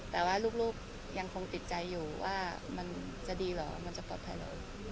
แต่ว่าลูกยังคงติดใจอยู่ว่ามันจะดีเหรอมันจะปลอดภัยเหรอ